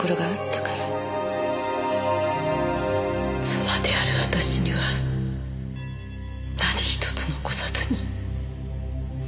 妻である私には何一つ残さずに。